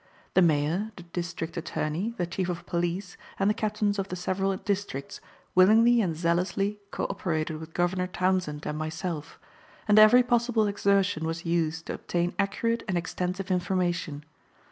The mayor, the district attorney, the chief of police, and the captains of the several districts, willingly and zealously co operated with Governor Townsend and myself, and every possible exertion was used to obtain accurate and extensive information.